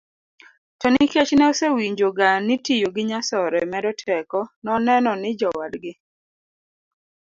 to nikech ne osewinjoga ni tiyo gi nyasore medo teko noneno ni jowadgi